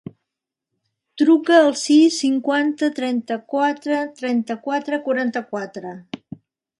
Truca al sis, cinquanta, trenta-quatre, trenta-quatre, quaranta-quatre.